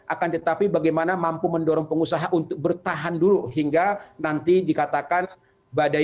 akan tetapi bagaimana mampu mendorong pengusaha untuk bertahan dulu hingga nanti dikatakan badai